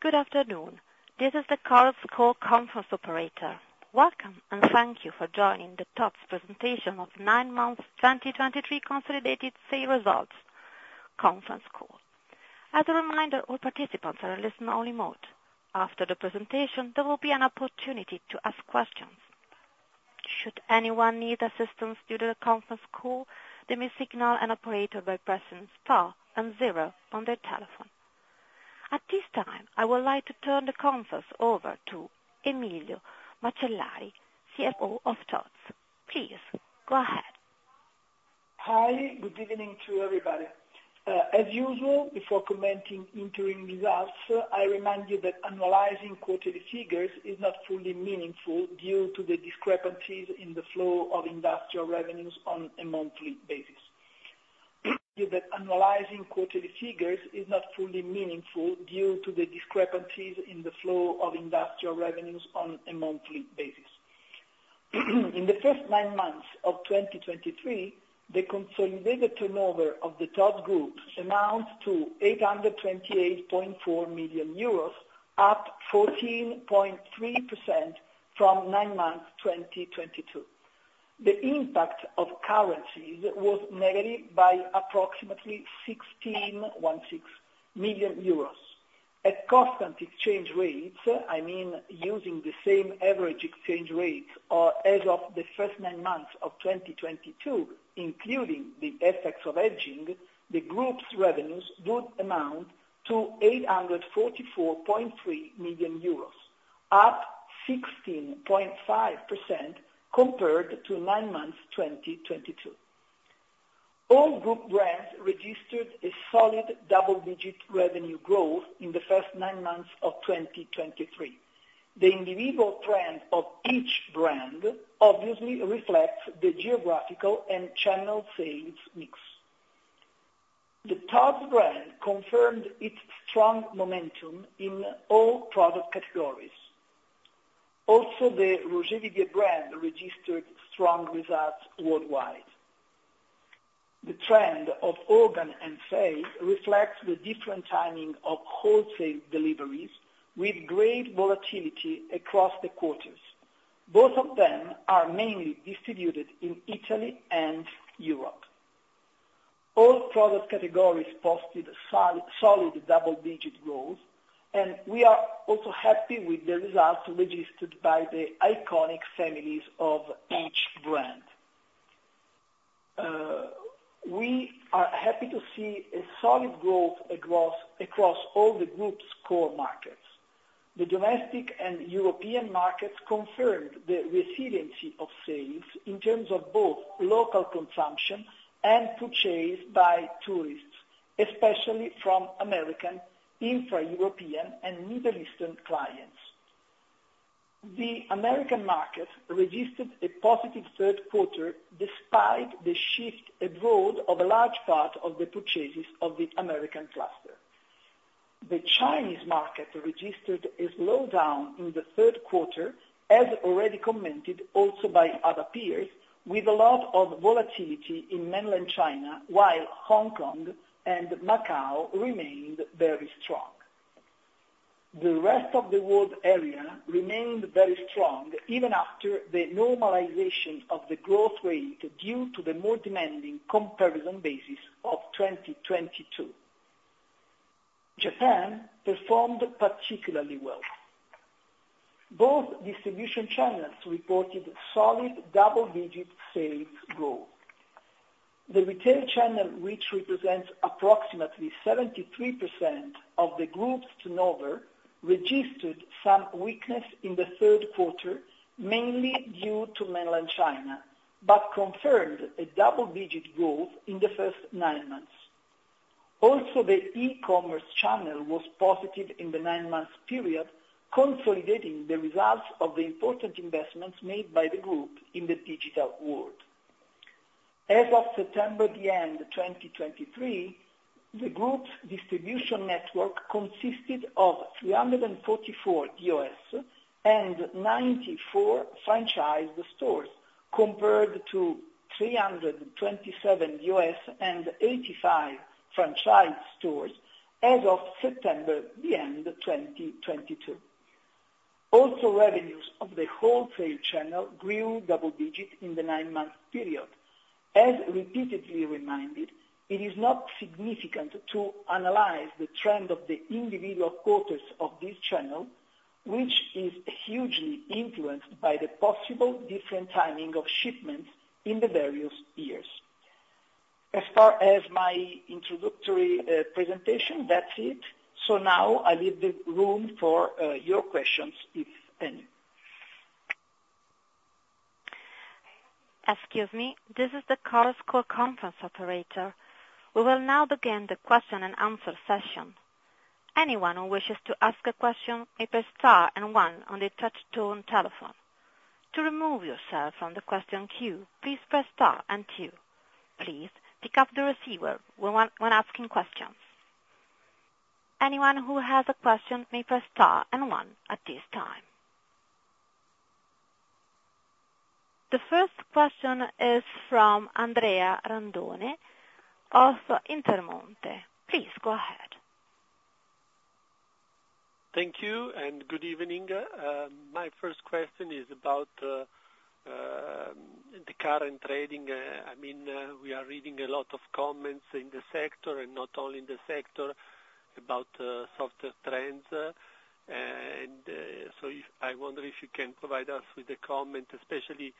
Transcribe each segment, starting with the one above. Good afternoon. This is the Chorus Call Conference Operator. Welcome, and thank you for joining the Tod's presentation of nine months 2023 consolidated sales results conference call. As a reminder, all participants are in listen only mode. After the presentation, there will be an opportunity to ask questions. Should anyone need assistance during the conference call, they may signal an operator by pressing star and zero on their telephone. At this time, I would like to turn the conference over to Emilio Macellari, CFO of Tod's. Please, go ahead. Hi, good evening to everybody. As usual, before commenting into results, I remind you that analyzing quarterly figures is not fully meaningful due to the discrepancies in the flow of industrial revenues on a monthly basis. In the first nine months of 2023, the consolidated turnover of the Tod's Group amounts to 828.4 million euros, up 14.3% from nine months, 2022. The impact of currencies was negative by approximately 161 million euros. At constant exchange rates, I mean using the same average exchange rate as of the first nine months of 2022, including the effects of hedging, the group's revenues would amount to 844.3 million euros, up 16.5% compared to nine months, 2022. All group brands registered a solid double-digit revenue growth in the first nine months of 2023. The individual trend of each brand obviously reflects the geographical and channel sales mix. The Tod's brand confirmed its strong momentum in all product categories. Also, the Roger Vivier brand registered strong results worldwide. The trend of Hogan and Fay reflects the different timing of wholesale deliveries, with great volatility across the quarters. Both of them are mainly distributed in Italy and Europe. All product categories posted solid double-digit growth, and we are also happy with the results registered by the iconic families of each brand. We are happy to see a solid growth across all the group's core markets. The domestic and European markets confirmed the resiliency of sales in terms of both local consumption and purchase by tourists, especially from American, intra-European, and Middle Eastern clients. The American market registered a positive third quarter, despite the shift abroad of a large part of the purchases of the American cluster. The Chinese market registered a slowdown in the third quarter, as already commented also by other peers, with a lot of volatility in Mainland China, while Hong Kong and Macau remained very strong. The rest of the world area remained very strong, even after the normalization of the growth rate, due to the more demanding comparison basis of 2022. Japan performed particularly well. Both distribution channels reported solid double-digit sales growth. The retail channel, which represents approximately 73% of the group's turnover, registered some weakness in the third quarter, mainly due to Mainland China, but confirmed a double-digit growth in the first nine months. Also, the e-commerce channel was positive in the nine-month period, consolidating the results of the important investments made by the group in the digital world. As of September, the end 2023, the group's distribution network consisted of 344 DOS and 94 franchise stores, compared to 327 DOS and 85 franchise stores as of September, the end of 2022. Also, revenues of the wholesale channel grew double digits in the nine-month period. As repeatedly reminded, it is not significant to analyze the trend of the individual quarters of this channel, which is hugely influenced by the possible different timing of shipments in the various years. As far as my introductory presentation, that's it. So now I leave the room for your questions, if any. Excuse me. This is the Chorus Call conference Operator. We will now begin the question-and-answer session. Anyone who wishes to ask a question may press star and one on their touch tone telephone. To remove yourself from the question queue, please press star and two. Please pick up the receiver when asking questions. Anyone who has a question may press star and one at this time. The first question is from Andrea Randone of Intermonte. Please go ahead. Thank you, and good evening. My first question is about the current trading. I mean, we are reading a lot of comments in the sector, and not only in the sector, about softer trends, and so if I wonder if you can provide us with a comment, especially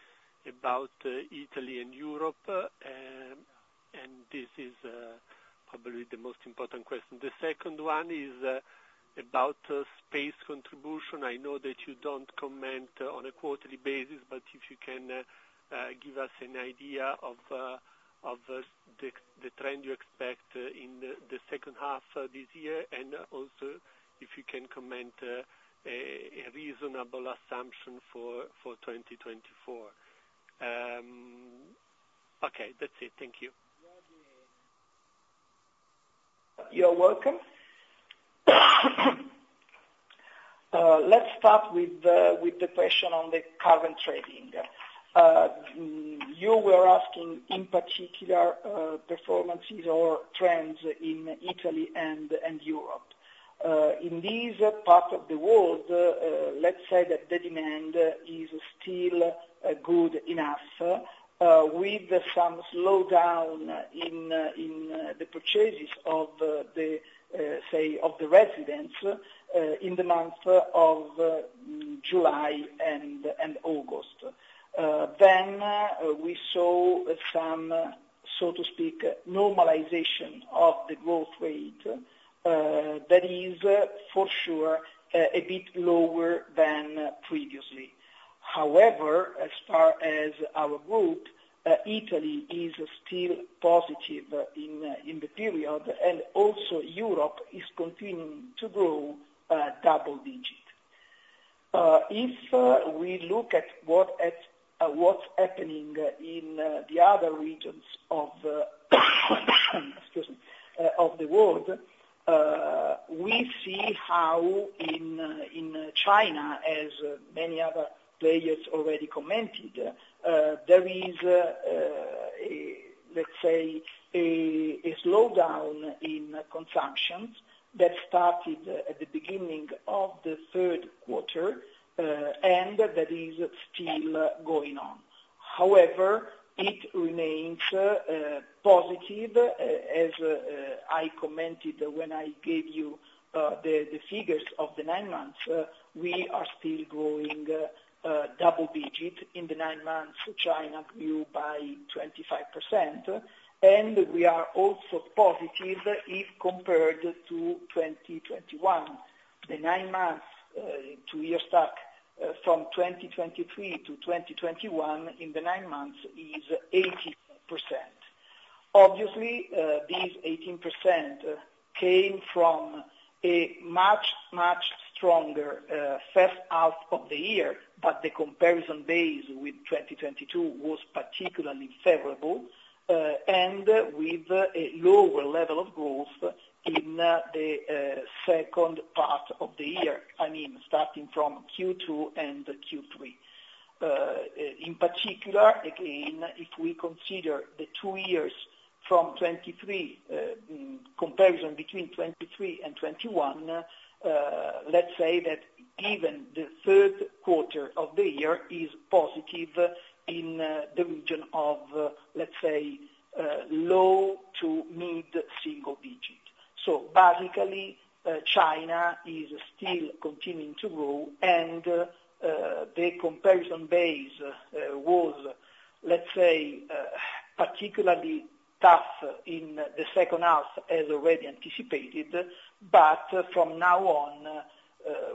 about Italy and Europe, and this is probably the most important question. The second one is about space contribution. I know that you don't comment on a quarterly basis, but if you can give us an idea of the trend you expect in the second half of this year, and also if you can comment a reasonable assumption for 2024. Okay, that's it. Thank you. You are welcome. Let's start with the question on the current trading. You were asking in particular performances or trends in Italy and Europe. In these parts of the world, let's say that the demand is still good enough with some slowdown in the purchases of the, say, of the residents in the month of July and August. Then we saw some, so to speak, normalization of the growth rate that is for sure a bit lower than previously. However, as far as our group, Italy is still positive in the period, and also Europe is continuing to grow double-digit. If we look at what's happening in the other regions of the world, we see how in China, as many other players already commented, there is a slowdown in consumptions that started at the beginning of the third quarter and that is still going on. However, it remains positive, as I commented when I gave you the figures of the nine months. We are still growing double digit. In the nine months, China grew by 25%, and we are also positive if compared to 2021. The nine months two-year stack from 2023 to 2021 is 18%. Obviously, this 18% came from a much, much stronger first half of the year, but the comparison base with 2022 was particularly favorable, and with a lower level of growth in the second part of the year, I mean, starting from Q2 and Q3. In particular, again, if we consider the two years from 2023, comparison between 2023 and 2021, let's say that even the third quarter of the year is positive in the region of, let's say, low- to mid-single digits. So basically, China is still continuing to grow, and the comparison base was, let's say, particularly tough in the second half, as already anticipated. But from now on,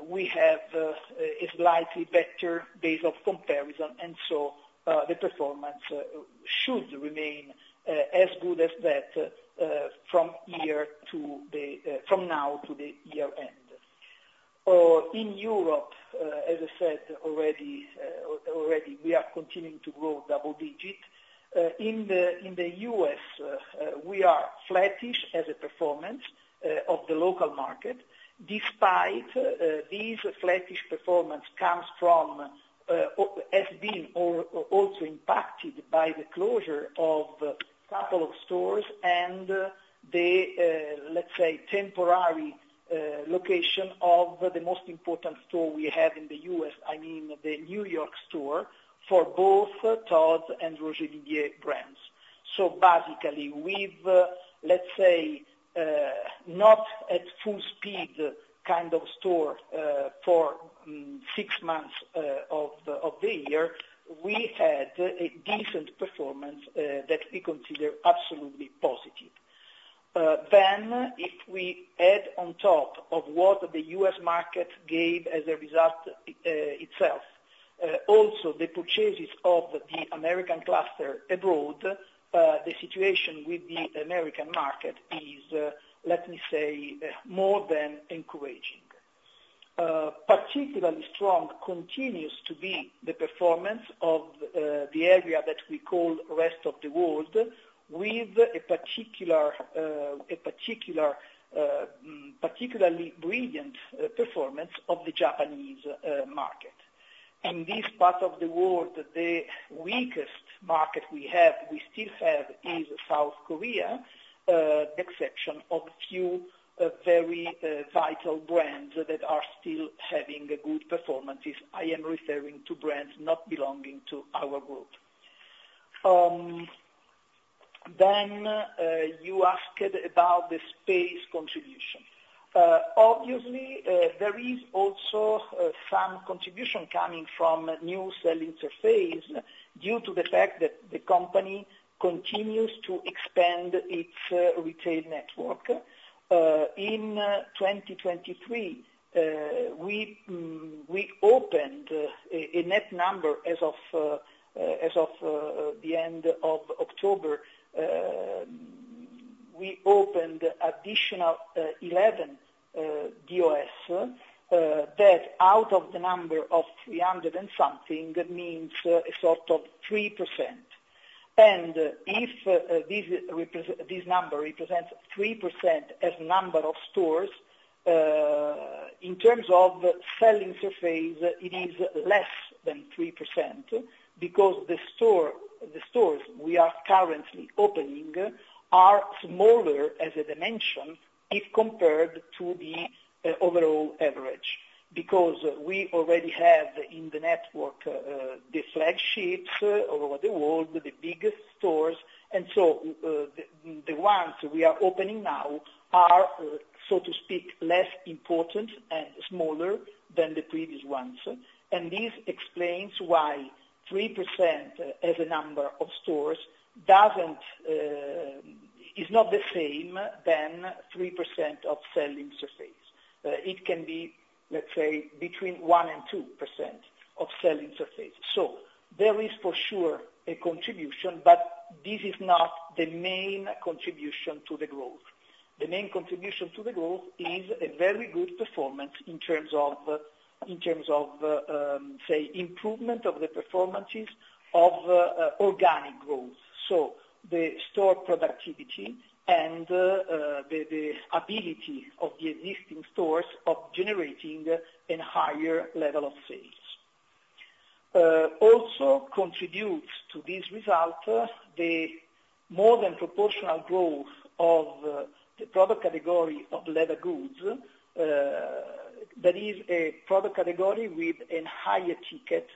we have a slightly better base of comparison, and so, the performance should remain as good as that from here to the year end. In Europe, as I said already, we are continuing to grow double-digit. In the U.S., we are flattish as a performance of the local market, despite, this flattish performance has also been impacted by the closure of a couple of stores and the, let's say, temporary location of the most important store we have in the U.S., I mean, the New York store, for both Tod's and Roger Vivier brands. So basically, with, let's say, not at full speed kind of store, for, six months, of the, of the year, we had a decent performance, that we consider absolutely positive. Then, if we add on top of what the U.S. market gave as a result, itself, also the purchases of the American cluster abroad, the situation with the American market is, let me say, more than encouraging. Particularly strong continues to be the performance of, the area that we call rest of the world, with a particular, a particular, particularly brilliant, performance of the Japanese, market. In this part of the world, the weakest market we have, we still have, is South Korea, the exception of few, very, vital brands that are still having a good performances. I am referring to brands not belonging to our group. Then, you asked about the space contribution. Obviously, there is also some contribution coming from new selling surface, due to the fact that the company continues to expand its retail network. In 2023, we opened a net number as of the end of October; we opened additional 11 DOS, that out of the number of 300-something means a sort of 3%. And if this number represents 3% as number of stores, in terms of selling surface, it is less than 3%, because the stores we are currently opening are smaller as a dimension if compared to the overall average. Because we already have in the network the flagships all over the world, the biggest stores, and so the ones we are opening now are so to speak less important and smaller than the previous ones. This explains why 3% as a number of stores doesn't is not the same than 3% of selling surface. It can be, let's say, between 1%-2% of selling surface. So there is for sure a contribution, but this is not the main contribution to the growth. The main contribution to the growth is a very good performance in terms of say improvement of the performances of organic growth. So the store productivity and the ability of the existing stores of generating a higher level of sales. Also contributes to this result, the more than proportional growth of the product category of leather goods, that is a product category with a higher ticket,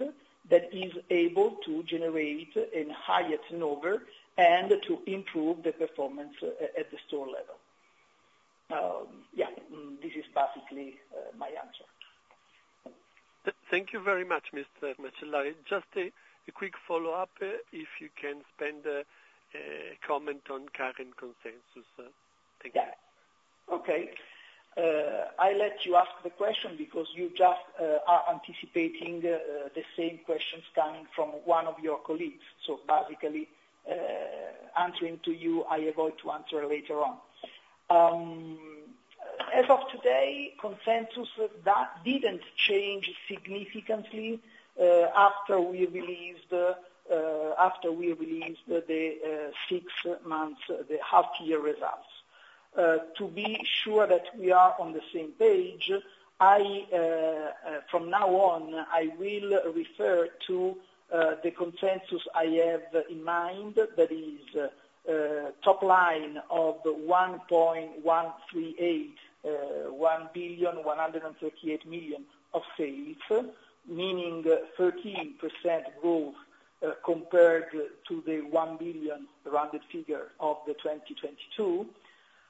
that is able to generate a higher turnover, and to improve the performance at the store level. Yeah, this is basically my answer. Thank you very much, Mr. Macellari. Just a quick follow-up, if you can spare a comment on current consensus? Thank you. Yeah. Okay. I let you ask the question because you just are anticipating the same questions coming from one of your colleagues. So basically, answering to you, I am going to answer later on. As of today, consensus, that didn't change significantly after we released the six months, the half year results. To be sure that we are on the same page, I, from now on, I will refer to, the consensus I have in mind, that is, top line of 1.138 billion of sales, meaning 13% growth, compared to the 1 billion rounded figure of 2022,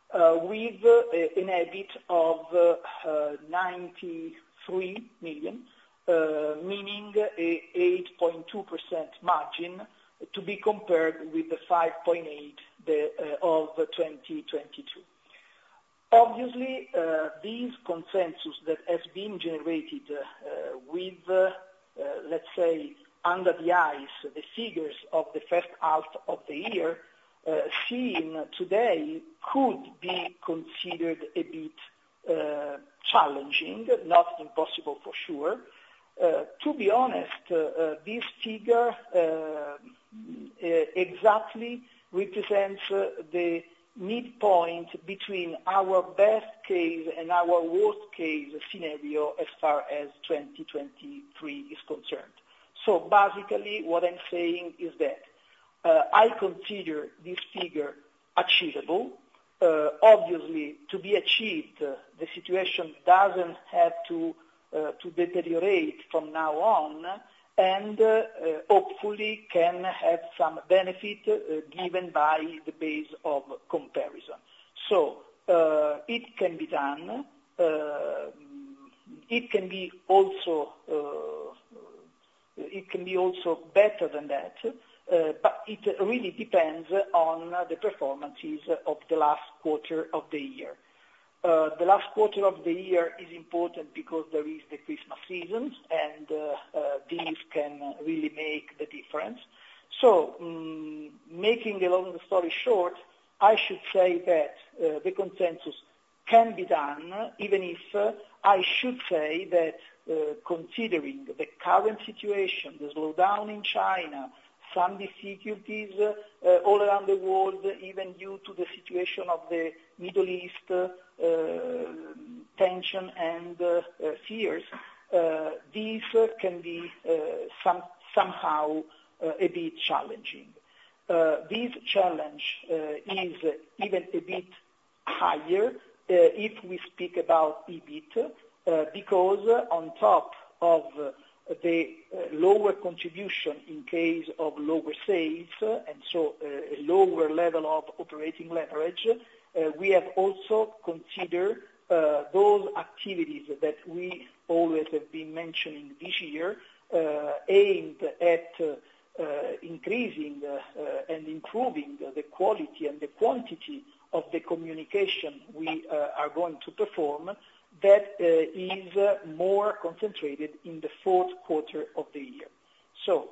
with, an EBIT of, EUR 93 million, meaning an 8.2% margin, to be compared with the 5.8%, the, of 2022. Obviously, this consensus that has been generated, with, let's say, under the eyes, the figures of the first half of the year, seen today, could be considered a bit, challenging, not impossible for sure. To be honest, this figure exactly represents the midpoint between our best case and our worst case scenario as far as 2023 is concerned. So basically, what I'm saying is that, I consider this figure achievable. Obviously, to be achieved, the situation doesn't have to deteriorate from now on, and, hopefully can have some benefit, given by the base of comparison. So, it can be done, it can also be better than that, but it really depends on the performances of the last quarter of the year. The last quarter of the year is important because there is the Christmas seasons, and, this can really make the difference. So, making the long story short, I should say that, the consensus can be done, even if I should say that, considering the current situation, the slowdown in China, some difficulties, all around the world, even due to the situation of the Middle East, tension and fears, this can be, somehow, a bit challenging. This challenge is even a bit higher if we speak about EBIT, because on top of the lower contribution in case of lower sales, and so, a lower level of operating leverage, we have also considered those activities that we always have been mentioning this year, aimed at increasing and improving the quality and the quantity of the communication we are going to perform, that is more concentrated in the fourth quarter of the year. So,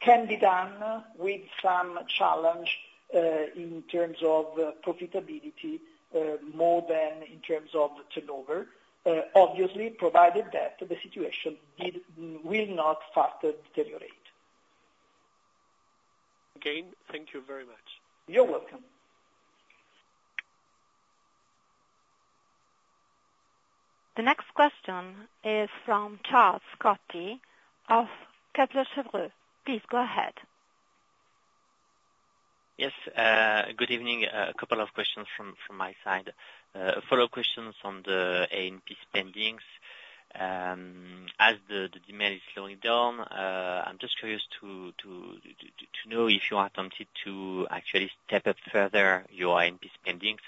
can be done with some challenge in terms of profitability, more than in terms of turnover, obviously, provided that the situation will not further deteriorate. Again, thank you very much. You're welcome. The next question is from Charles Scotti of Kepler Cheuvreux. Please go ahead. Yes, good evening. A couple of questions from my side. Follow questions on the A&P spendings. As the demand is slowing down, I'm just curious to know if you are tempted to actually step up further your A&P spendings,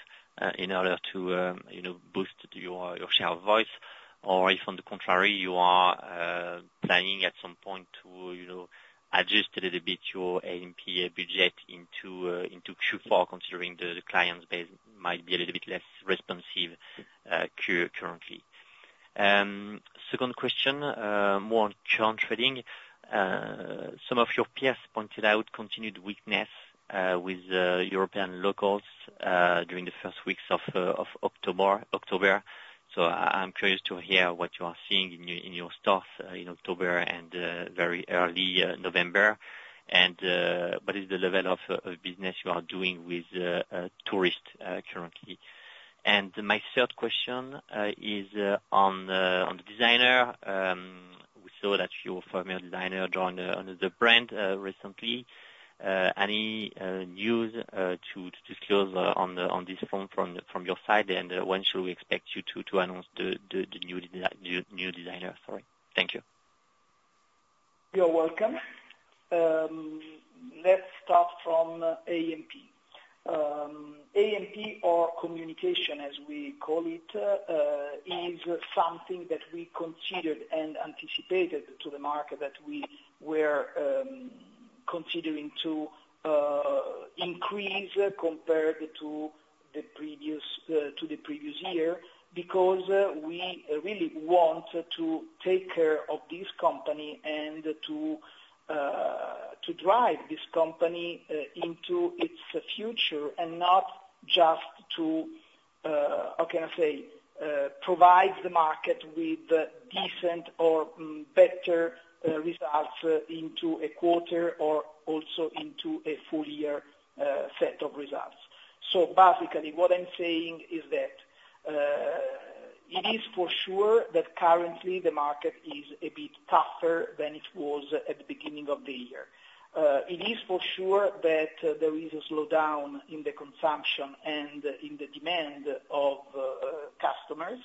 in order to, you know, boost your share voice, or if on the contrary, you are planning at some point to, you know, adjust a little bit your A&P budget into Q4, considering the client base might be a little bit less responsive, currently. Second question, more on channel trading. Some of your peers pointed out continued weakness with European locals, during the first weeks of October. I'm curious to hear what you are seeing in your staff in October and very early November. What is the level of business you are doing with tourists currently? And my third question is on the designer. We saw that your former designer joined another brand recently. Any news to disclose on this front from your side, and when should we expect you to announce the new designer? Sorry. Thank you. You're welcome. Let's start from A&P. A&P, or communication, as we call it, is something that we considered and anticipated to the market that we were considering to increase compared to the previous to the previous year, because we really want to take care of this company and to to drive this company into its future, and not just to how can I say provide the market with decent or better results into a quarter or also into a full year set of results. So basically, what I'm saying is that it is for sure that currently the market is a bit tougher than it was at the beginning of the year. It is for sure that there is a slowdown in the consumption and in the demand of customers.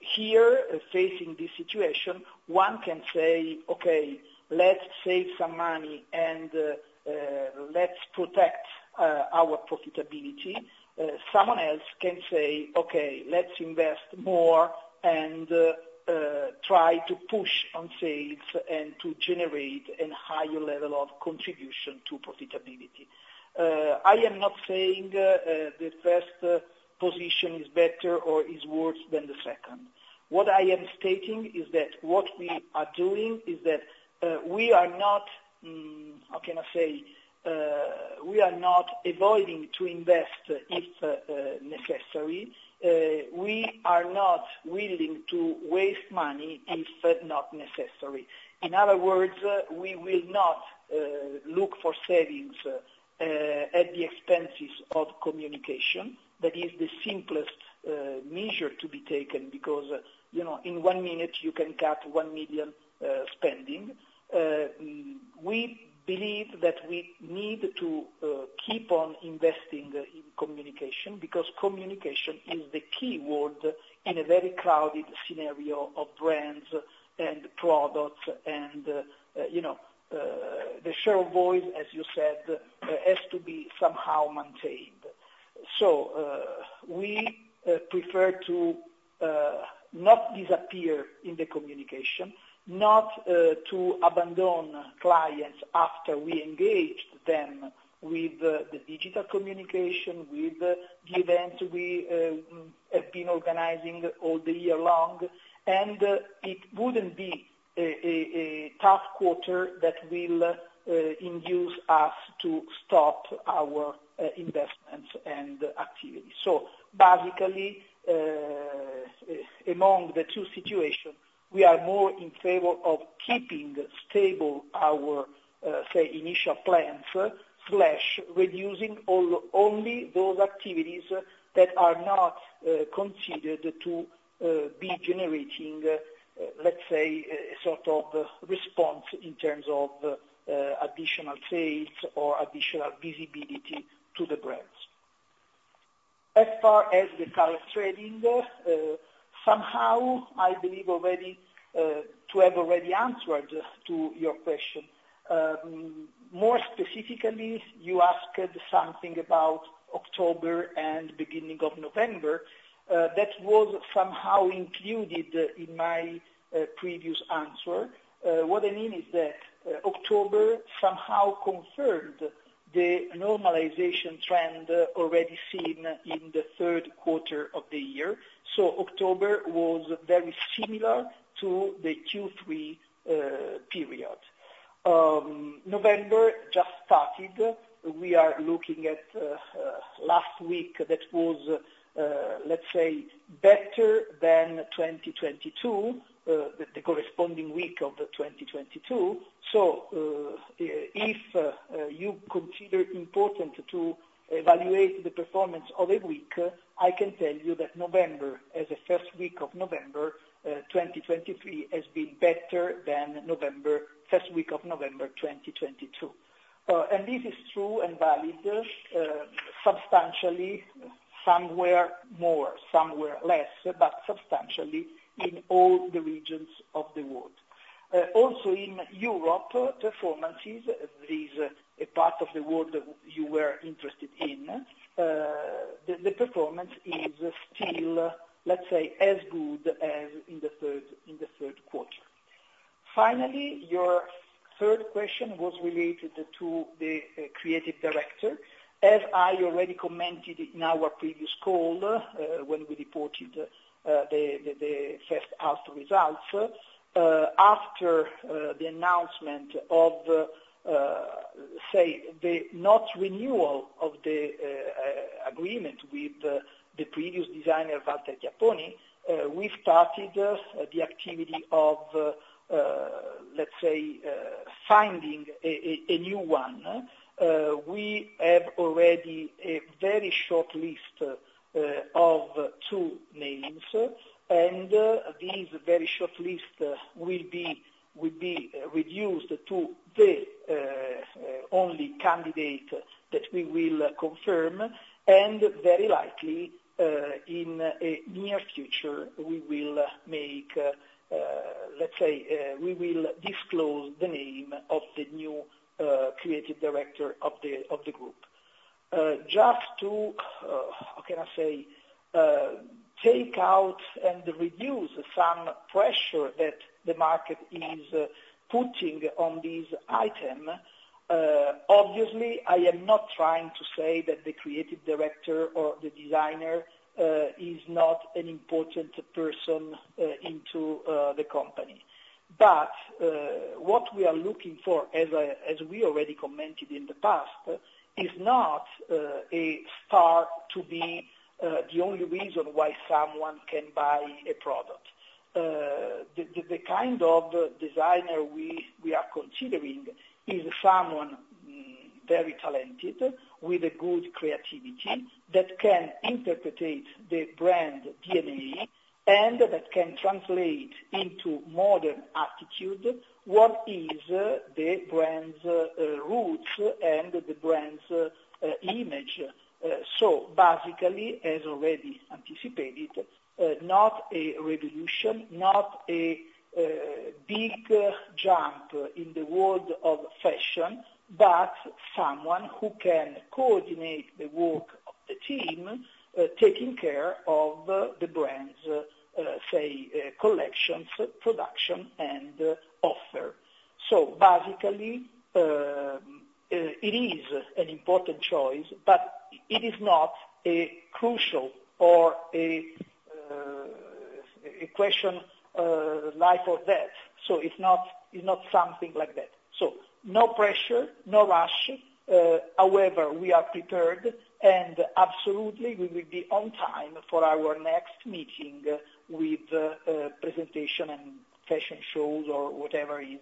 Here, facing this situation, one can say, "Okay, let's save some money, and let's protect our profitability." Someone else can say, "Okay, let's invest more and try to push on sales and to generate a higher level of contribution to profitability." I am not saying the first position is better or is worse than the second. What I am stating is that what we are doing is that we are not—how can I say—we are not avoiding to invest if necessary. We are not willing to waste money, if not necessary. In other words, we will not look for savings at the expenses of communication. That is the simplest measure to be taken, because, you know, in one minute, you can cut 1 million spending. We believe that we need to keep on investing in communication, because communication is the key word in a very crowded scenario of brands and products, and, you know, the share of voice, as you said, has to be somehow maintained. So, we prefer to not disappear in the communication, not to abandon clients after we engaged them with the digital communication, with the events we have been organizing all the year long. And it wouldn't be a tough quarter that will induce us to stop our investments and activities. So basically, among the two situations, we are more in favor of keeping stable our, say, initial plans, slash reducing only those activities that are not considered to be generating, let's say, a sort of response in terms of, additional sales or additional visibility to the brands. As far as the current trading, somehow I believe already to have already answered to your question. More specifically, you asked something about October and beginning of November, that was somehow included in my, previous answer. What I mean is that, October somehow confirmed the normalization trend already seen in the third quarter of the year. So October was very similar to the Q3 period. November just started. We are looking at last week that was, let's say, better than 2022, the corresponding week of 2022. So, if you consider important to evaluate the performance of a week, I can tell you that November, as the first week of November 2023, has been better than first week of November 2022. And this is true and valid, substantially, somewhere more, somewhere less, but substantially in all the regions of the world. Also in Europe, performances, there is a part of the world that you were interested in, the performance is still, let's say, as good as in the third quarter. Finally, your third question was related to the creative director. As I already commented in our previous call, when we reported the first half results, after the announcement of, say, the not renewal of the agreement with the previous designer, Walter Chiapponi, we started the activity of, let's say, finding a new one. We have already a very short list of two names, and this very short list will be reduced to the only candidate that we will confirm, and very likely, in a near future, we will make, let's say, we will disclose the name of the new creative director of the group. Just to, how can I say, take out and reduce some pressure that the market is putting on this item. Obviously, I am not trying to say that the creative director or the designer is not an important person into the company. But what we are looking for, as we already commented in the past, is not a star to be the only reason why someone can buy a product. The kind of designer we are considering is someone very talented, with a good creativity, that can interpret the brand DNA, and that can translate into modern attitude what is the brand's roots and the brand's image. So basically, as already anticipated, not a revolution, not a big jump in the world of fashion, but someone who can coordinate the work of the team, taking care of the brand's, say, collections, production, and offer. So basically, it is an important choice, but it is not a crucial or a a question life or death. So it's not, it's not something like that. So no pressure, no rush, however, we are prepared, and absolutely we will be on time for our next meeting with presentation and fashion shows or whatever is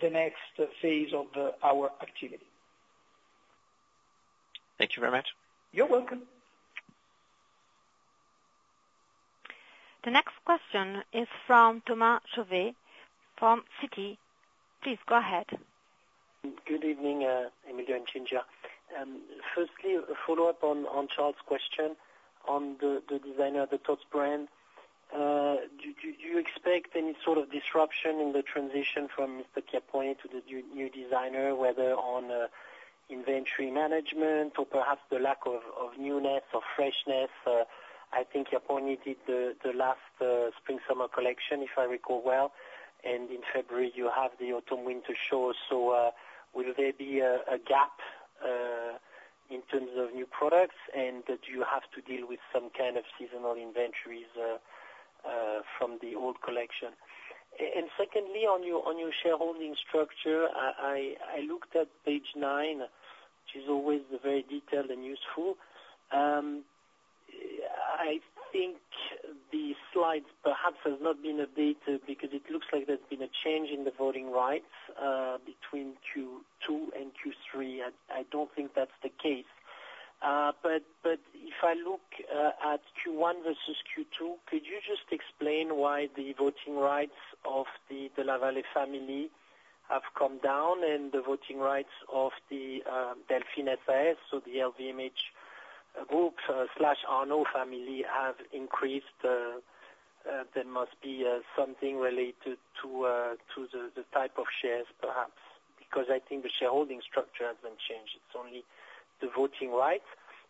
the next phase of our activity. Thank you very much. You're welcome. The next question is from Thomas Chauvet, from Citi. Please go ahead. Good evening, Emilio and Cinzia. Firstly, a follow-up on Charles' question on the designer of the Tod's brand. Do you expect any sort of disruption in the transition from Mr. Chiapponi to the new designer, whether on inventory management or perhaps the lack of newness or freshness? I think Chiapponi did the last spring/summer collection, if I recall well, and in February you have the autumn/winter show. So, will there be a gap in terms of new products, and do you have to deal with some kind of seasonal inventories from the old collection? And secondly, on your shareholding structure, I looked at page nine, which is always very detailed and useful. I think the slides perhaps has not been updated, because it looks like there's been a change in the voting rights between Q2 and Q3. I don't think that's the case. But if I look at Q1 versus Q2, could you just explain why the voting rights of the Della Valle family have come down, and the voting rights of the Delphine SAS, so the LVMH Group/Arnault family have increased? There must be something related to the type of shares, perhaps, because I think the shareholding structure hasn't changed. It's only the voting rights.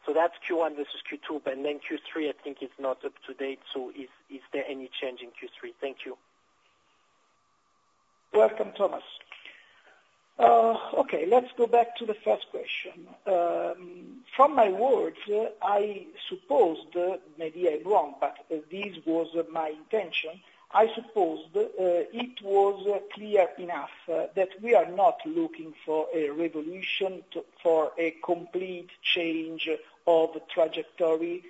So that's Q1 versus Q2, but then Q3, I think, is not up to date. So is there any change in Q3? Thank you. Welcome, Thomas. Okay, let's go back to the first question. From my words, I supposed, maybe I'm wrong, but this was my intention. I supposed it was clear enough that we are not looking for a revolution for a complete change of trajectory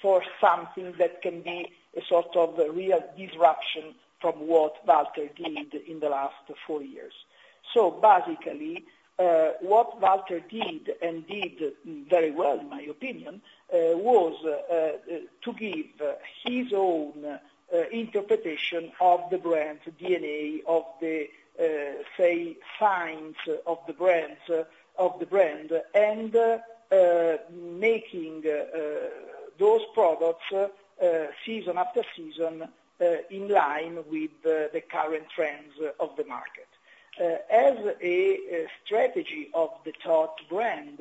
for something that can be a sort of a real disruption from what Walter did in the last four years. So basically, what Walter did, and did very well, in my opinion, was to give his own interpretation of the brand, the DNA of the say signs of the brands of the brand. And making those products season after season in line with the current trends of the market. As a strategy of the Tod's brand,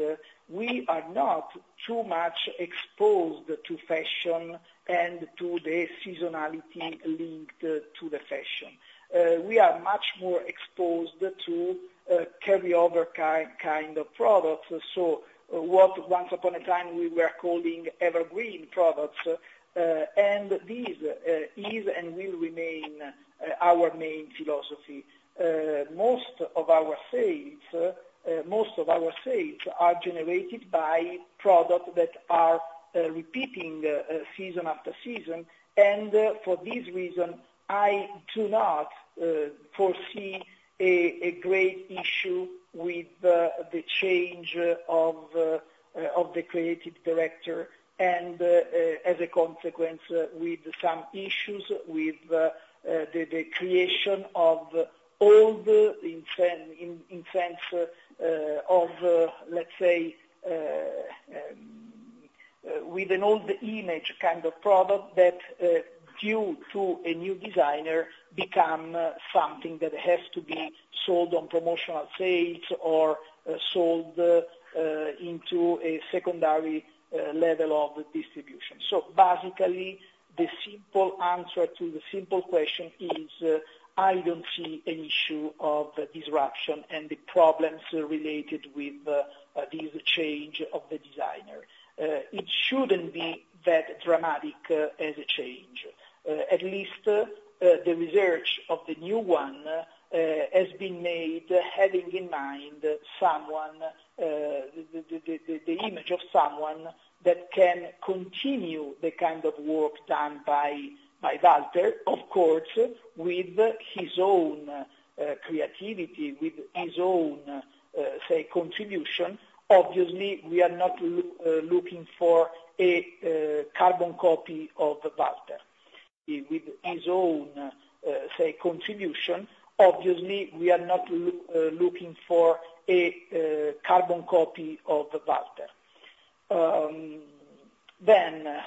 we are not too much exposed to fashion and to the seasonality linked to the fashion. We are much more exposed to carryover kind of products, so what once upon a time, we were calling evergreen products, and these is and will remain our main philosophy. Most of our sales are generated by products that are repeating season after season. For this reason, I do not foresee a great issue with the change of the creative director, and as a consequence, with some issues with the creation of old, in sense of let's say with an old image kind of product that due to a new designer become something that has to be sold on promotional sales or sold into a secondary level of distribution. So basically, the simple answer to the simple question is, I don't see an issue of disruption and the problems related with this change of the designer. It shouldn't be that dramatic as a change. At least, the research of the new one has been made, having in mind someone, the image of someone that can continue the kind of work done by Walter, of course, with his own creativity, with his own, say, contribution. Obviously, we are not looking for a carbon copy of Walter. With his own, say, contribution, obviously, we are not looking for a carbon copy of Walter. Then,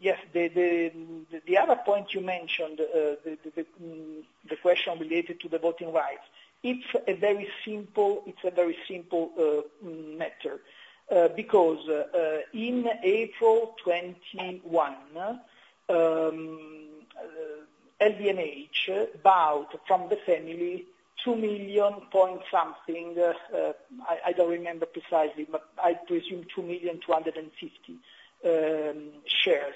yes, the other point you mentioned, the question related to the voting rights. It's a very simple, it's a very simple matter because in April 2021, LVMH bought from the family 2 million point something, I don't remember precisely, but I presume 2,000,250 shares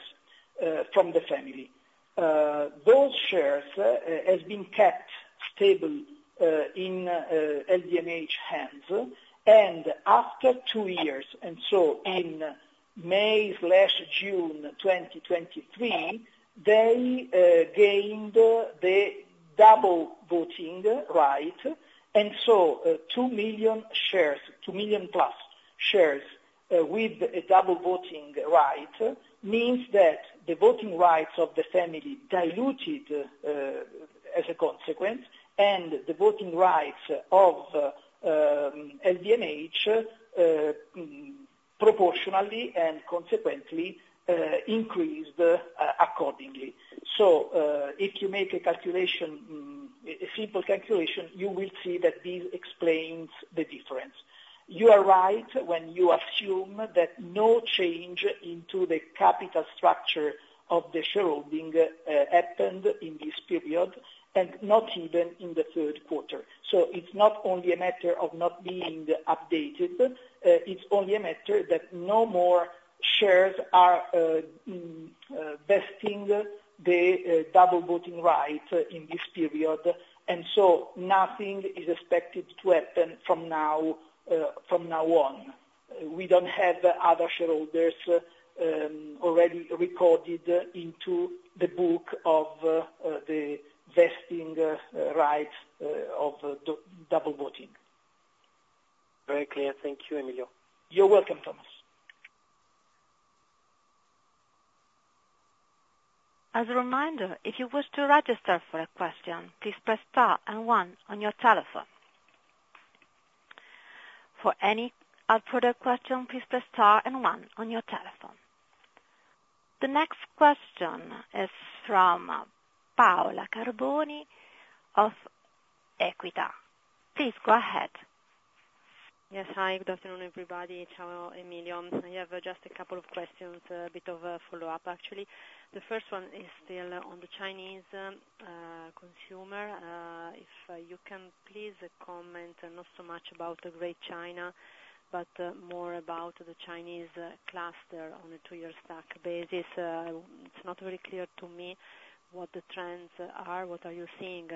from the family. Those shares has been kept stable in LVMH hands, and after two years, and so in May/June 2023, they gained the double voting right, and so 2 million shares, 2 million+ shares with a double voting right means that the voting rights of the family diluted as a consequence, and the voting rights of LVMH proportionally and consequently increased accordingly. So if you make a calculation, a simple calculation, you will see that this explains the difference. You are right when you assume that no change into the capital structure of the shareholding happened in this period, and not even in the third quarter. So it's not only a matter of not being updated, it's only a matter that no more shares are vesting the double voting right in this period, and so nothing is expected to happen from now, from now on. We don't have other shareholders already recorded into the book of the vesting rights of double voting. Very clear. Thank you, Emilio. You're welcome, Thomas. As a reminder, if you wish to register for a question, please press star and one on your telephone. For any output question, please press star and one on your telephone. The next question is from Paola Carboni of Equita. Please go ahead. Yes. Hi, good afternoon, everybody. Ciao, Emilio. I have just a couple of questions, a bit of a follow-up, actually. The first one is still on the Chinese consumer. If you can please comment, not so much about the Greater China, but more about the Chinese cluster on a two-year stack basis. It's not very clear to me what the trends are. What are you seeing,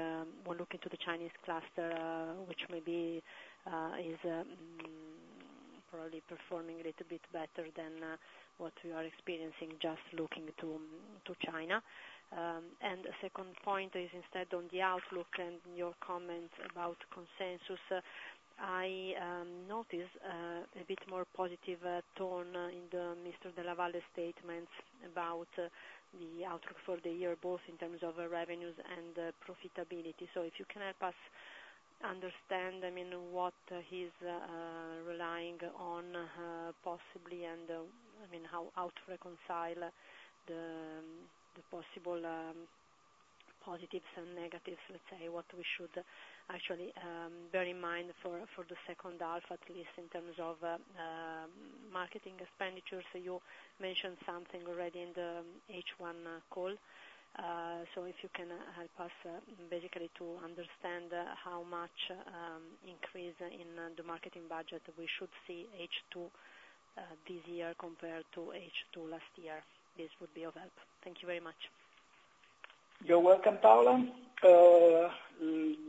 when looking to the Chinese cluster, which maybe is probably performing a little bit better than what we are experiencing, just looking to China? And the second point is instead on the outlook and your comments about consensus. I noticed a bit more positive tone in the Mr. Della Valle statements about the outlook for the year, both in terms of revenues and profitability. So if you can help us understand, I mean, what he's relying on, possibly, and, I mean, how to reconcile the possible positives and negatives, let's say, what we should actually bear in mind for the second half, at least in terms of marketing expenditures. You mentioned something already in the H1 call. So if you can help us basically to understand how much increase in the marketing budget we should see H2 this year compared to H2 last year, this would be of help. Thank you very much. You're welcome, Paola.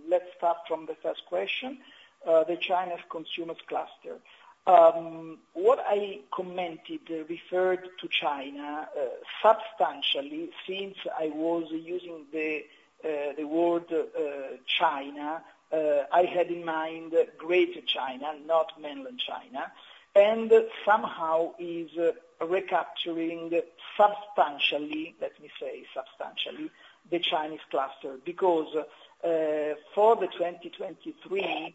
Let's start from the first question. The China consumers cluster. What I commented referred to China, substantially since I was using the, the word, China, I had in mind Greater China, not Mainland China, and somehow is recapturing substantially, let me say substantially, the Chinese cluster. Because, for the 2023,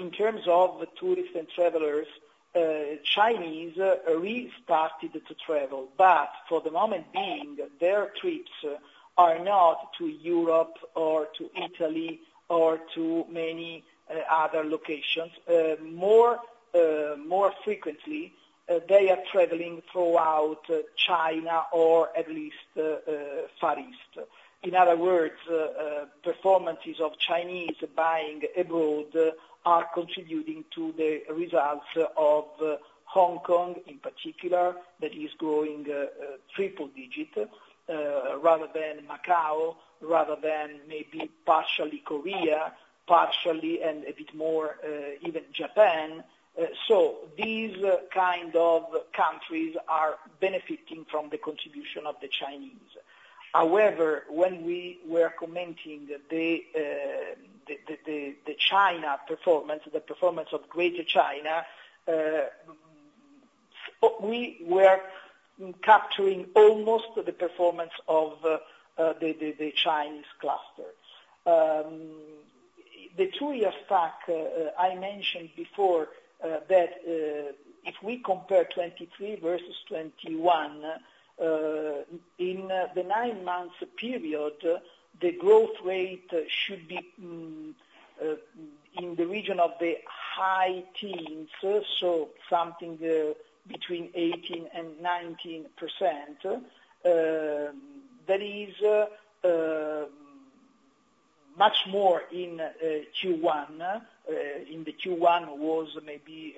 in terms of tourists and travelers, Chinese restarted to travel, but for the moment being, their trips are not to Europe or to Italy or to many, other locations. More, more frequently, they are traveling throughout China or at least, Far East. In other words, performances of Chinese buying abroad are contributing to the results of Hong Kong, in particular, that is growing triple digit, rather than Macau, rather than maybe partially Korea, partially and a bit more, even Japan. So these kind of countries are benefiting from the contribution of the Chinese. However, when we were commenting the China performance, the performance of Greater China, we were capturing almost the performance of the Chinese cluster. The two-year stack I mentioned before, that if we compare 2023 versus 2021, in the nine-month period, the growth rate should be in the region of the high teens, so something between 18% and 19%. That is much more in Q1. In Q1 it was maybe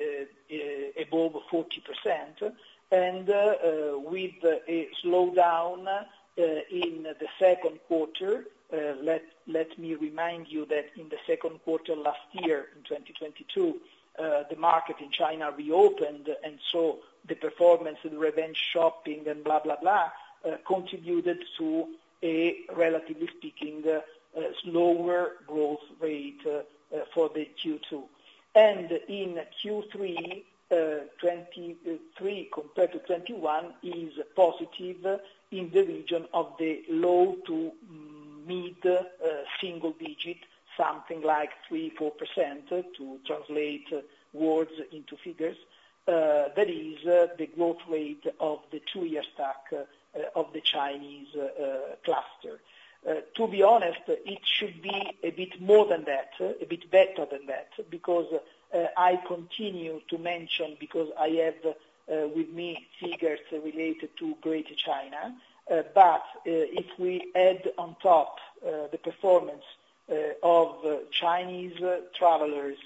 above 40%, and with a slowdown in the second quarter. Let me remind you that in the second quarter last year, in 2022, the market in China reopened, and so the performance and revenge shopping and blah, blah, blah contributed to a, relatively speaking, slower growth rate for Q2. In Q3 2023 compared to 2021, it is positive in the region of the low- to mid-single-digit, something like 3%-4%, to translate words into figures. That is the growth rate of the two-year stack of the Chinese cluster. To be honest, it should be a bit more than that, a bit better than that, because I continue to mention, because I have with me figures related to Greater China. But if we add on top the performance of Chinese travelers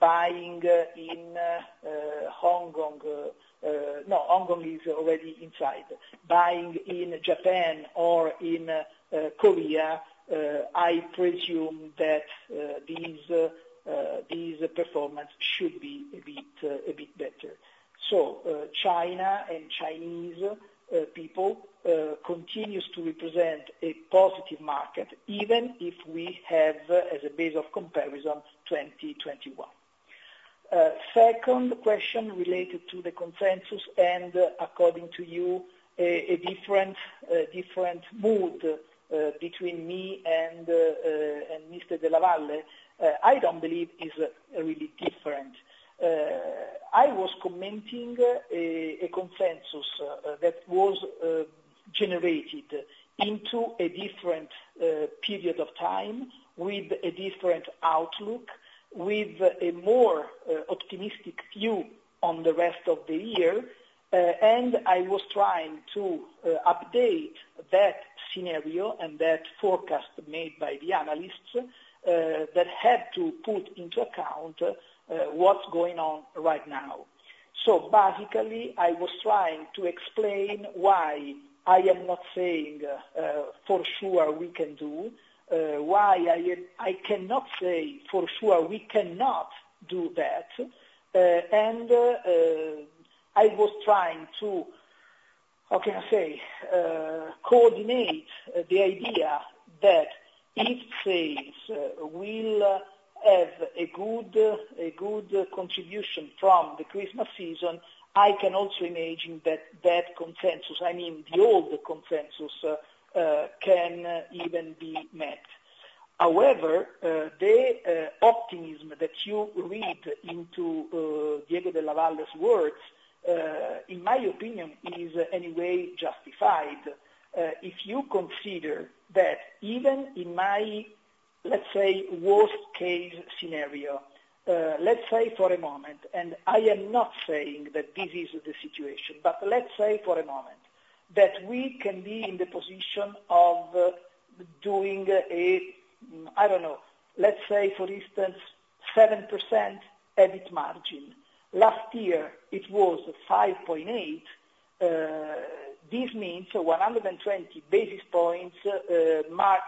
buying in Hong Kong... No, Hong Kong is already inside. Buying in Japan or in Korea, I presume that these performance should be a bit better. So, China and Chinese people continues to represent a positive market, even if we have, as a base of comparison, 2021. Second question related to the consensus, and according to you, a different mood between me and Mr. Della Valle. I don't believe is really different. I was commenting a consensus that was generated into a different period of time, with a different outlook, with a more optimistic view on the rest of the year. And I was trying to update that scenario and that forecast made by the analysts that had to put into account what's going on right now. So basically, I was trying to explain why I am not saying for sure, we can do why I am I cannot say for sure we cannot do that. And I was trying to, how can I say, coordinate the idea that if sales will have a good, a good contribution from the Christmas season, I can also imagine that that consensus, I mean, the old consensus, can even be met. However, the optimism that you read into Diego Della Valle's words, in my opinion, is in a way justified. If you consider that even in my, let's say, worst case scenario, let's say for a moment, and I am not saying that this is the situation, but let's say for a moment, that we can be in the position of doing a, I don't know, let's say, for instance, 7% EBIT margin. Last year it was 5.8%. This means 120 basis points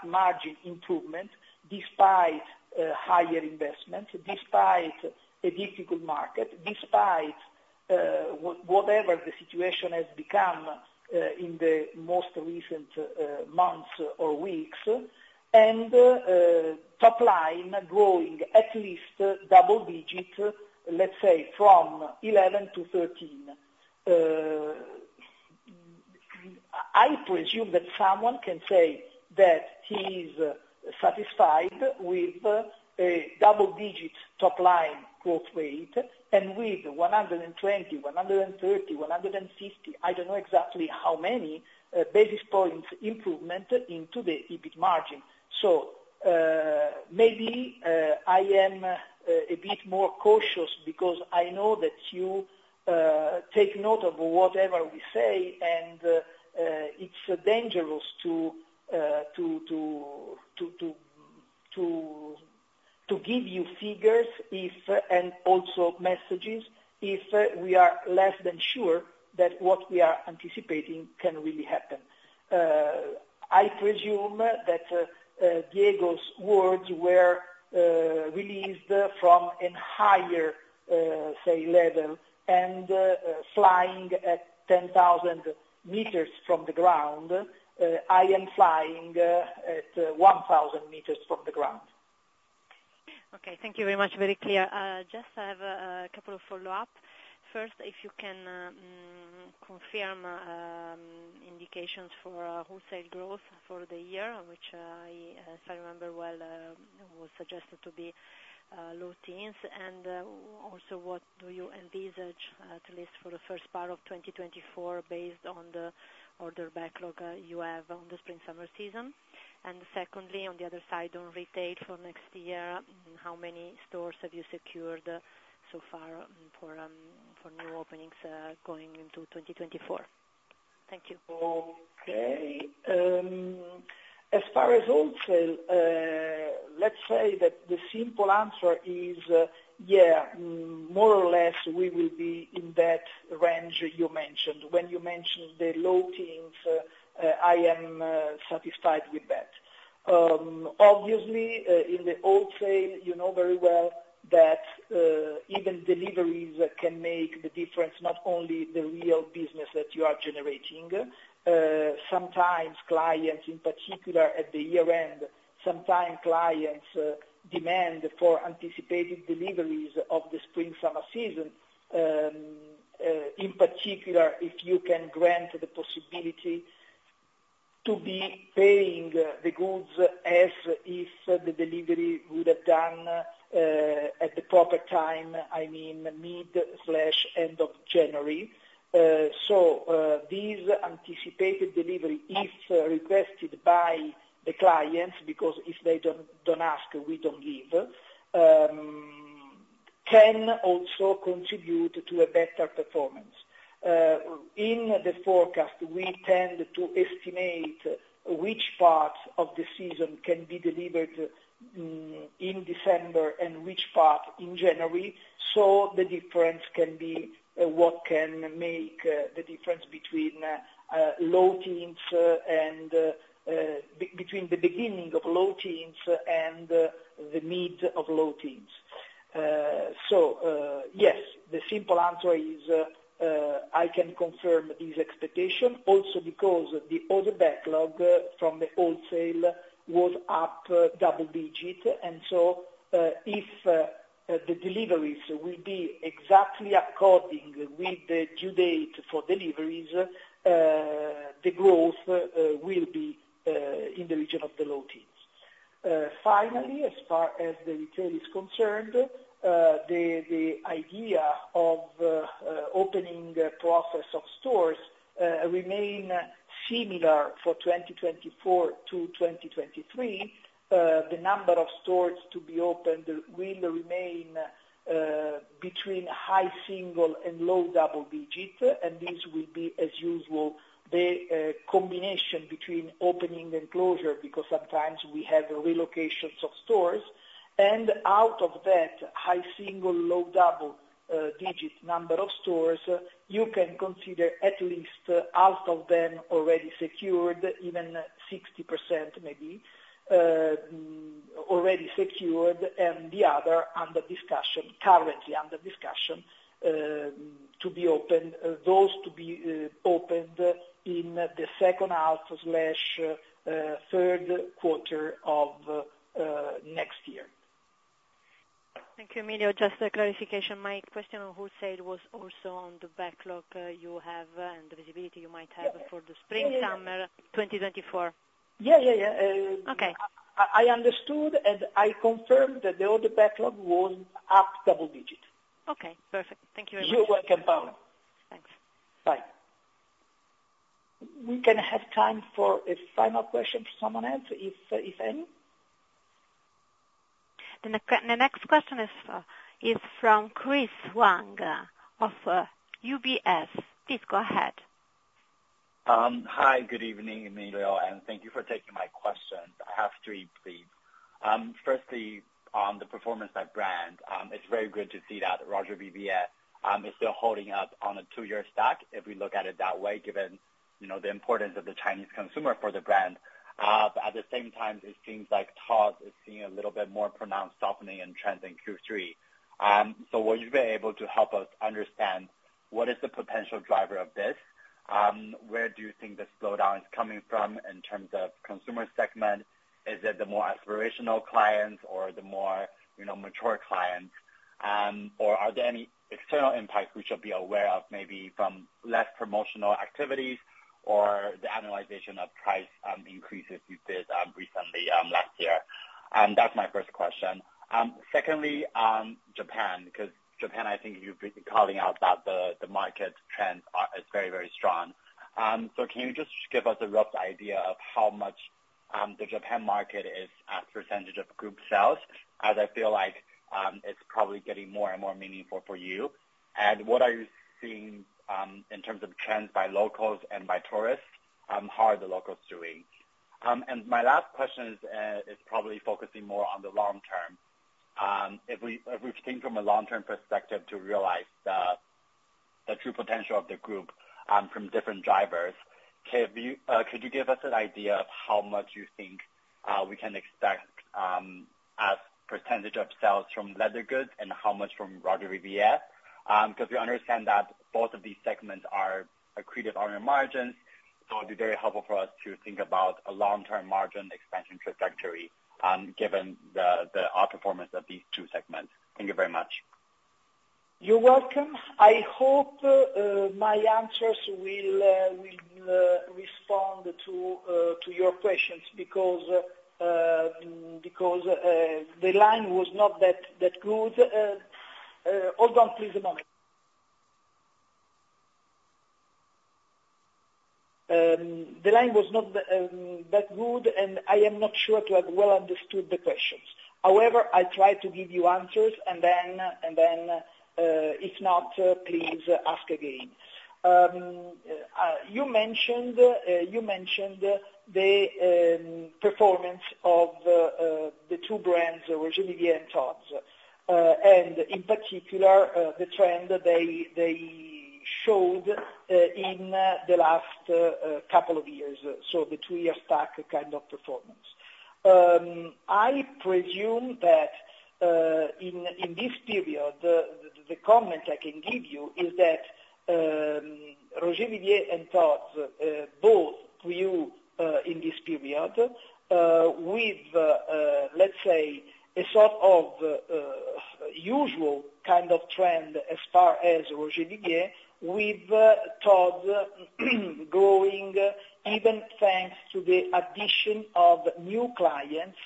margin improvement, despite higher investment, despite a difficult market, despite whatever the situation has become in the most recent months or weeks, and top line growing at least double-digit, let's say, from 11%-13%. I presume that someone can say that he is satisfied with a double-digit top line growth rate and with 120 basis points, 130 basis points, 150 basis points, I don't know exactly how many, basis points improvement into the EBIT margin. So, maybe, I am a bit more cautious because I know that you take note of whatever we say, and it's dangerous to give you figures, if, and also messages, if we are less than sure that what we are anticipating can really happen. I presume that Diego's words were released from an higher, say, level, and flying at 10,000 m from the ground. I am flying at 1,000 m from the ground. Okay. Thank you very much. Very clear. Just I have a couple of follow-up. First, if you can confirm indications for wholesale growth for the year, which I, if I remember well, was suggested to be low teens. And also, what do you envisage, at least for the first part of 2024, based on the order backlog you have on the spring/summer season? And secondly, on the other side, on retail for next year, how many stores have you secured so far for, for new openings going into 2024? Thank you. Okay. As far as wholesale, let's say that the simple answer is, yeah, more or less, we will be in that range you mentioned. When you mentioned the low teens, I am satisfied with that. Obviously, in the wholesale, you know very well that even deliveries can make the difference, not only the real business that you are generating. Sometimes clients, in particular at the year-end, sometimes clients demand for anticipated deliveries of the spring/summer season. In particular, if you can grant the possibility to be paying the goods as if the delivery would have done at the proper time, I mean, mid/end of January. So, these anticipated delivery, if requested by the clients, because if they don't, don't ask, we don't give, can also contribute to a better performance. In the forecast, we tend to estimate which parts of the season can be delivered in December and which part in January, so the difference can be what can make the difference between low teens and between the beginning of low teens and the mid of low teens. So, yes, the simple answer is, I can confirm this expectation also because the order backlog from the wholesale was up double digits. And so, if the deliveries will be exactly according with the due date for deliveries, the growth will be in the region of the low teens. Finally, as far as the retail is concerned, the idea of opening a process of stores remain similar for 2024 to 2023. The number of stores to be opened will remain between high single and low double digits, and this will be, as usual, the combination between opening and closure, because sometimes we have relocations of stores. And out of that high single, low double digits number of stores, you can consider at least out of them already secured, even 60% maybe already secured, and the other under discussion, currently under discussion, to be opened those to be opened in the second half, third quarter of next year. Thank you, Emilio. Just a clarification. My question on wholesale was also on the backlog, you have and the visibility you might have for the spring, summer 2024. Yeah, yeah, yeah. Okay. I understood, and I confirm that the order backlog was up double digits. Okay, perfect. Thank you very much. You're welcome, Paola. Thanks. Bye. We can have time for a final question to someone else, if any? Then the next question is from Chris Huang of UBS. Please go ahead. Hi, good evening, Emilio, and thank you for taking my questions. I have three, please. Firstly, on the performance by brand, it's very good to see that Roger Vivier is still holding up on a two-year stack, if we look at it that way, given, you know, the importance of the Chinese consumer for the brand. But at the same time, it seems like Tod's is seeing a little bit more pronounced softening in trends in Q3. So would you be able to help us understand what is the potential driver of this? Where do you think the slowdown is coming from in terms of consumer segment? Is it the more aspirational clients or the more, you know, mature clients? Or are there any external impacts we should be aware of, maybe from less promotional activities or the annualization of price increases you did recently last year? That's my first question. Secondly, Japan, because Japan, I think you've been calling out that the market trends are is very, very strong. So can you just give us a rough idea of how much the Japan market is as percentage of group sales, as I feel like it's probably getting more and more meaningful for you? And what are you seeing in terms of trends by locals and by tourists? How are the locals doing? And my last question is is probably focusing more on the long term. If we, if we think from a long-term perspective to realize the, the true potential of the group, from different drivers, can you, could you give us an idea of how much you think we can expect as percentage of sales from leather goods and how much from Roger Vivier? Because we understand that both of these segments are accretive on your margins, so it'd be very helpful for us to think about a long-term margin expansion trajectory, given the, the outperformance of these two segments. Thank you very much. You're welcome. I hope my answers will respond to your questions, because the line was not that good. Hold on please a moment. The line was not that good, and I am not sure to have well understood the questions. However, I'll try to give you answers and then if not, please ask again. You mentioned the performance of the two brands, Roger Vivier and Tod's, and in particular, the trend they showed in the last couple of years, so the two-year stack kind of performance. I presume that in this period, the comment I can give you is that Roger Vivier and Tod's both grew in this period with let's say, a sort of usual kind of trend as far as Roger Vivier, with Tod's growing, even thanks to the addition of new clients,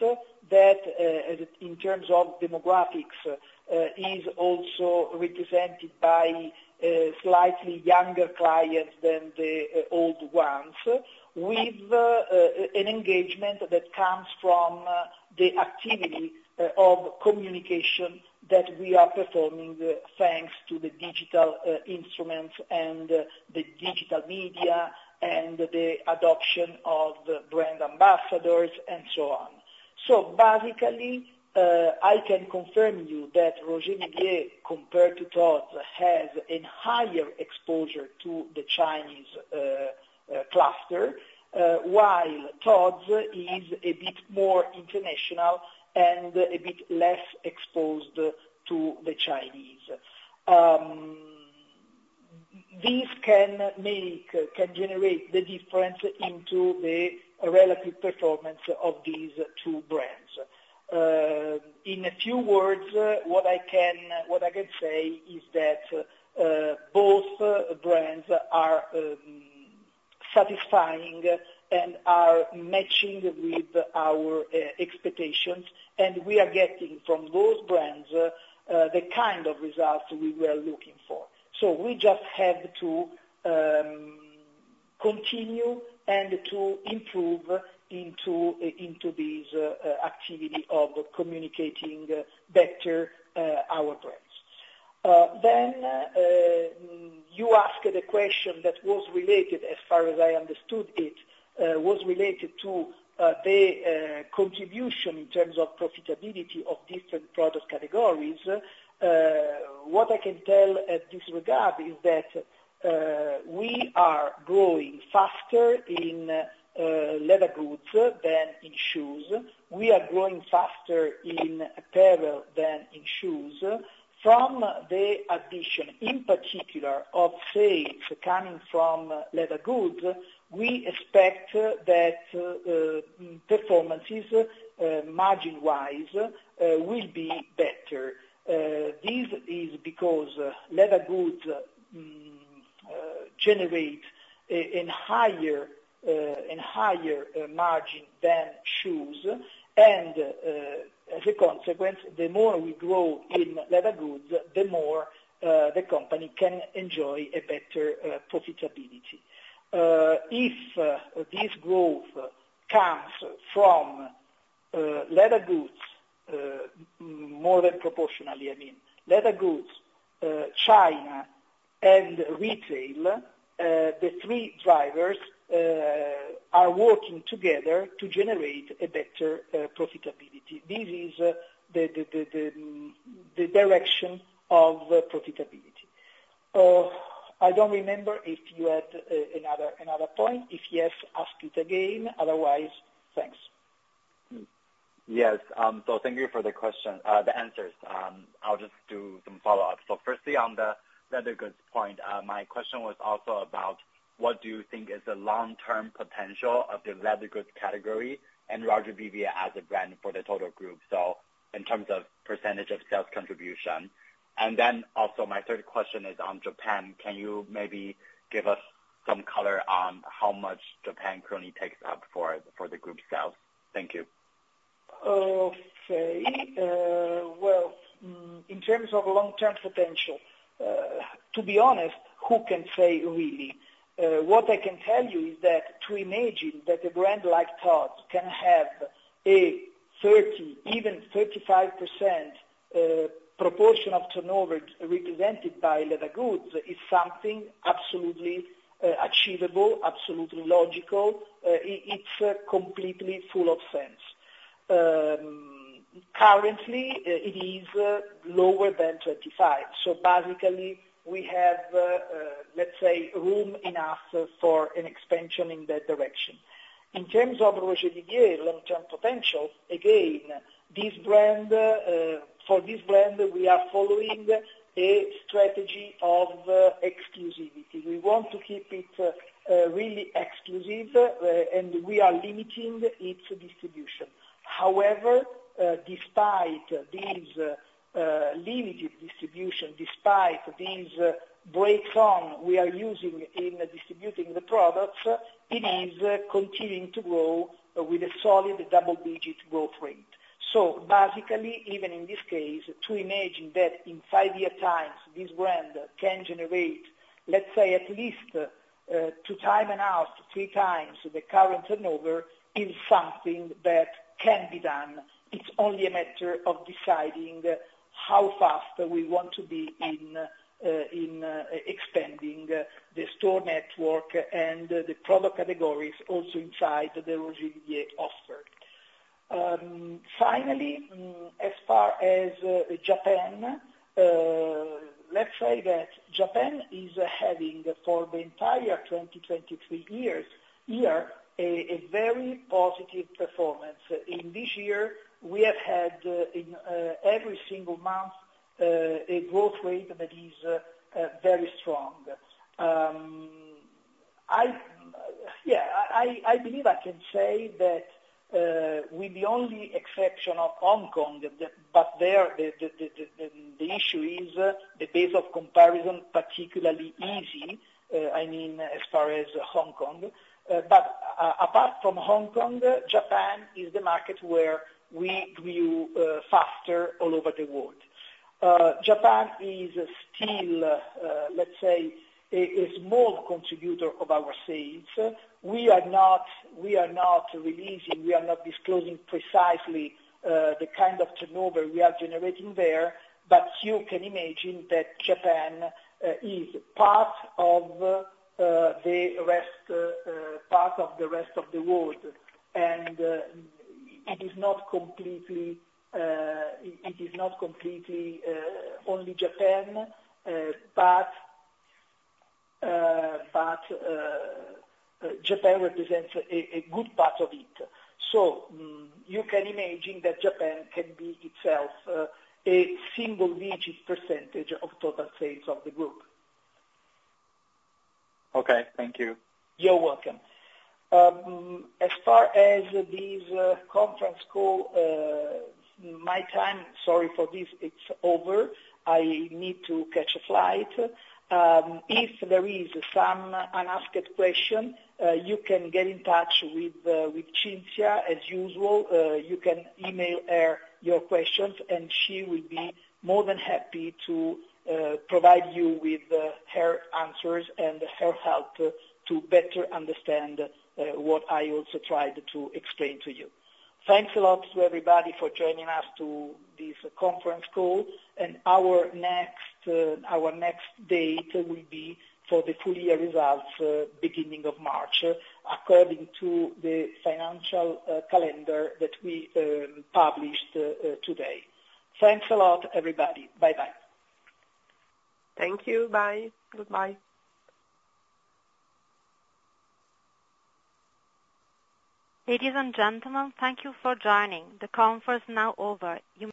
that in terms of demographics is also represented by slightly younger clients than the old ones. With an engagement that comes from the activity of communication that we are performing, thanks to the digital instruments and the digital media, and the adoption of brand ambassadors, and so on. So basically, I can confirm you that Roger Vivier, compared to Tod's, has a higher exposure to the Chinese cluster, while Tod's is a bit more international and a bit less exposed to the Chinese. This can generate the difference into the relative performance of these two brands. In a few words, what I can say is that both brands are satisfying and are matching with our expectations, and we are getting from those brands the kind of results we were looking for. So we just have to continue and to improve into these activity of communicating better our brands. Then, you asked the question that was related, as far as I understood it, was related to the contribution in terms of profitability of different product categories. What I can tell at this regard is that we are growing faster in leather goods than in shoes. We are growing faster in apparel than in shoes. From the addition, in particular, of sales coming from leather goods, we expect that performances margin-wise will be better. This is because leather goods generate a higher margin than shoes, and as a consequence, the more we grow in leather goods, the more the company can enjoy a better profitability. If this growth comes from leather goods more than proportionally, I mean, leather goods, China and retail, the three drivers are working together to generate a better profitability. This is the direction of the profitability. I don't remember if you had another point. If yes, ask it again, otherwise, thanks. Yes, so thank you for the question, the answers. I'll just do some follow-up. So firstly, on the leather goods point, my question was also about what do you think is the long-term potential of the leather goods category and Roger Vivier as a brand for the total group, so in terms of percentage of sales contribution? And then also my third question is on Japan. Can you maybe give us some color on how much Japan currently takes up for the group sales? Thank you. Okay. Well, in terms of long-term potential, to be honest, who can say, really? What I can tell you is that to imagine that a brand like Tod's can have a 30%, even 35% proportion of turnover represented by leather goods, is something absolutely achievable, absolutely logical. It's completely full of sense. Currently, it is lower than 25%, so basically, we have, let's say, room enough for an expansion in that direction. In terms of Roger Vivier long-term potential, again, this brand, for this brand, we are following a strategy of exclusivity. We want to keep it really exclusive, and we are limiting its distribution. However, despite these limited distribution, despite these breaks on we are using in distributing the products, it is continuing to grow with a solid double-digit growth rate. So basically, even in this case, to imagine that in five-year times, this brand can generate, let's say, at least, 2.5x, 3x the current turnover, is something that can be done. It's only a matter of deciding how fast we want to be in, in, expanding, the store network and the product categories also inside the Roger Vivier offer. Finally, as far as, Japan, let's say that Japan is having, for the entire 2023 year, a very positive performance. In this year, we have had, in, every single month, a growth rate that is, very strong. I... Yeah, I believe I can say that with the only exception of Hong Kong, but there the issue is the base of comparison, particularly easy, I mean, as far as Hong Kong. But apart from Hong Kong, Japan is the market where we grew faster all over the world. Japan is still, let's say, a small contributor of our sales. We are not disclosing precisely the kind of turnover we are generating there, but you can imagine that Japan is part of the rest of the world. And it is not completely only Japan, but Japan represents a good part of it. You can imagine that Japan can be itself a single digit percentage of total sales of the group. Okay, thank you. You're welcome. As far as this conference call, my time, sorry for this, it's over. I need to catch a flight. If there is some unasked question, you can get in touch with Cinzia, as usual. You can email her your questions, and she will be more than happy to provide you with her answers and her help to better understand what I also tried to explain to you. Thanks a lot to everybody for joining us to this conference call, and our next date will be for the full year results, beginning of March, according to the financial calendar that we published today. Thanks a lot, everybody. Bye-bye. Thank you. Bye. Goodbye. Ladies and gentlemen, thank you for joining. The conference is now over. You may-